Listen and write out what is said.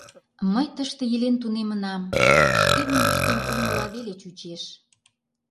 Мый тыште илен тунемынам, шке мӧҥгыштем улмыла веле чучеш.